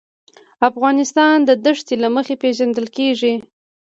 افغانستان د دښتې له مخې پېژندل کېږي.